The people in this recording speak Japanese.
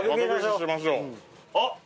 あっ。